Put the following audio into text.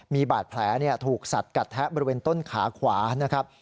มีบาดแผลถูกสัดกัดแทะบริเวณต้นขาขวานะครับ